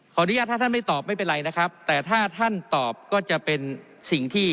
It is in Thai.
อนุญาตถ้าท่านไม่ตอบไม่เป็นไรนะครับแต่ถ้าท่านตอบก็จะเป็นสิ่งที่